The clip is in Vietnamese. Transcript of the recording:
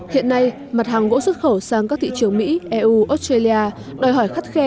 hiện nay mặt hàng gỗ xuất khẩu sang các thị trường mỹ eu australia đòi hỏi khắt khe